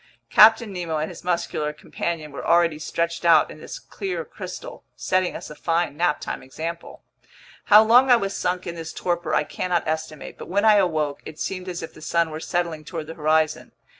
Captain Nemo and his muscular companion were already stretched out in this clear crystal, setting us a fine naptime example. How long I was sunk in this torpor I cannot estimate; but when I awoke, it seemed as if the sun were settling toward the horizon.